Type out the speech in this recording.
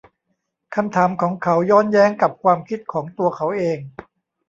คำถามของเขาย้อนแย้งกับความคิดของตัวเขาเอง